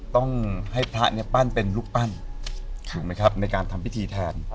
ต้องให้พระเนี่ยปั้นเป็นรูปปั้นถูกไหมครับในการทำพิธีแทน